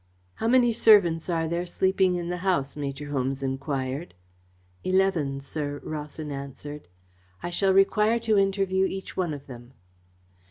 "How many servants are there sleeping in the house?" Major Holmes enquired. "Eleven, sir," Rawson answered. "I shall require to interview each one of them."